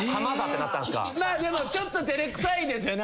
でもちょっと照れくさいですよね。